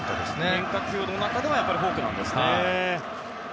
変化球の中ではやはりフォークなんですね。